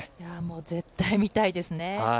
絶対見たいですね。